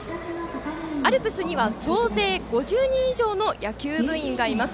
アルプスには総勢５０人以上の野球部員がいます。